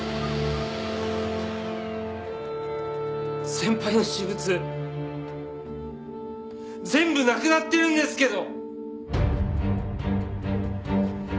先輩の私物全部なくなってるんですけど！